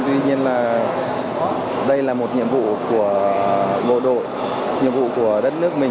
tuy nhiên là đây là một nhiệm vụ của bộ đội nhiệm vụ của đất nước mình